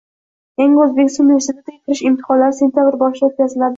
Yangi O‘zbekiston universitetiga kirish imtihonlari sentabr boshida o‘tkaziladi